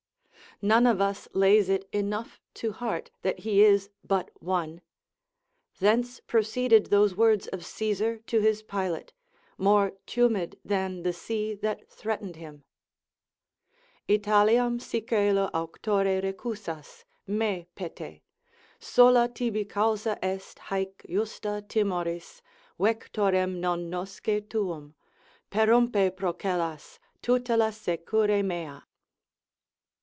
None of us lays it enough to heart that he is but one: thence proceeded those words of Caesar to his pilot, more tumid than the sea that threatened him: "Italiam si coelo auctore recusas, Me pete: sola tibi causa est haec justa timoris, Vectorem non nosce tuum; perrumpe procellas, Tutela secure mea."